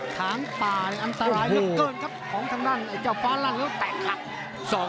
ขางตายอันตรายเยอะเกินครับของทางด้านไอ้เจ้าฟ้าล่างแล้วแตกคัก